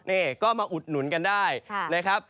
นี่ก็มาอุดหนุนกันได้นะครับ